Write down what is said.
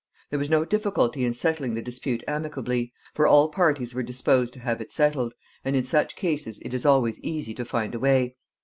There was no difficulty in settling the dispute amicably, for all parties were disposed to have it settled, and in such cases it is always easy to find a way.